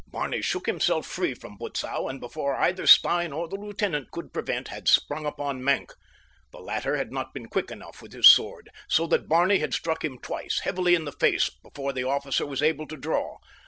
Barney shook himself free from Butzow, and before either Stein or the lieutenant could prevent had sprung upon Maenck. The latter had not been quick enough with his sword, so that Barney had struck him twice, heavily in the face before the officer was able to draw.